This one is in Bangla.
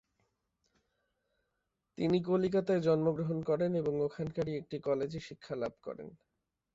তিনি কলিকাতায় জন্মগ্রহণ করেন এবং ওখানকারই একটি কলেজে শিক্ষালাভ করেন।